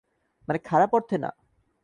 মানে খারাপ অর্থে না।